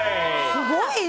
すごいな！